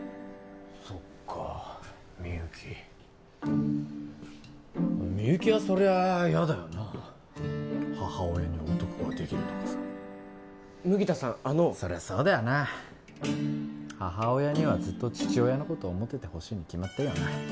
そっかみゆきみゆきはそりゃあ嫌だよな母親に男ができるとかさ麦田さんあのそりゃそうだよな母親にはずっと父親のこと思っててほしいに決まってるよな